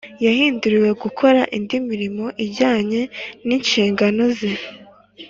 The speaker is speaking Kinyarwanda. Yahinduriwe gukora indi mirimo ijyanye n’ inshingano ze